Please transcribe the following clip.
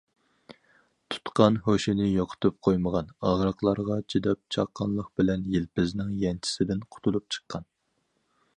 تۇتقاق ھوشىنى يوقىتىپ قويمىغان، ئاغرىقلارغا چىداپ چاققانلىق بىلەن يىلپىزنىڭ پەنجىسىدىن قۇتۇلۇپ چىققان.